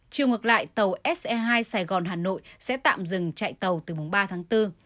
chiều ngược lại tàu se hai sài gòn hà nội sẽ tạm dừng chạy tàu từ mùng ba tháng bốn